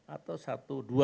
atau satu dua